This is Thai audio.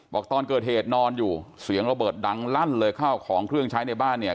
บอกตอนเกิดเหตุนอนอยู่เสียงระเบิดดังลั่นเลยข้าวของเครื่องใช้ในบ้านเนี่ย